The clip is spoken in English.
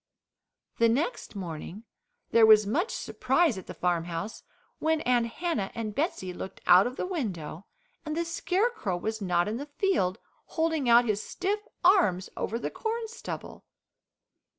The next morning there was much surprise at the farmhouse, when Aunt Hannah and Betsey looked out of the window and the Scarecrow was not in the field holding out his stiff arms over the corn stubble.